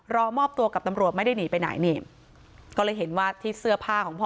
รอมอบตัวกับตำรวจไม่ได้หนีไปไหนนี่ก็เลยเห็นว่าที่เสื้อผ้าของพ่อ